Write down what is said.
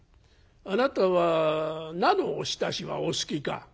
あなたは菜のおひたしはお好きか？」。